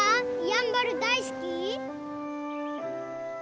やんばる大好き？